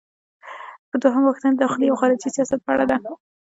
دوهمه پوښتنه د داخلي او خارجي سیاست په اړه ده.